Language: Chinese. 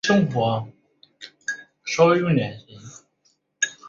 现在曼尼古根湖是加拿大东部一个重要的发电场所。